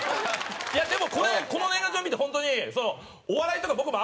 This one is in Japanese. いやでもこれこの年賀状見て本当にお笑いとか僕もあんま。